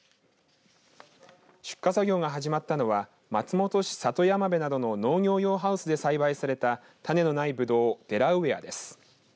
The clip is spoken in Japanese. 出荷作業が始まったのは松本市里山辺などの農業用ハウスで栽培された種のないブドウ、デラウエアです。